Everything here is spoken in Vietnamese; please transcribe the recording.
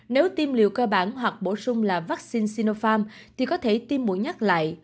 nếu tiêm liều cơ bản hoặc bổ sung là vắc xin sinopharm thì có thể tiêm mũi nhắc lại